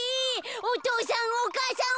お父さんお母さん